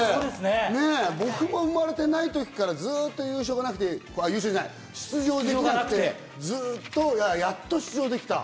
僕も生まれてない時からずっと優勝がなくて、出場がなくて、やっと出場できた。